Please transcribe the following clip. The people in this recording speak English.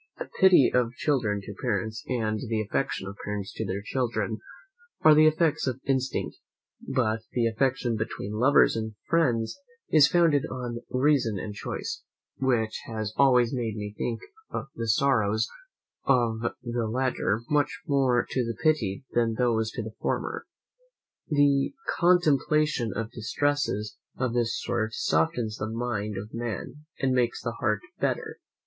The piety of children to parents, and the affection of parents to their children, are the effects of instinct; but the affection between lovers and friends is founded on reason and choice, which has always made me think the sorrows of the latter much more to be pitied than those of the former. The contemplation of distresses of this sort softens the mind of man, and makes the heart better.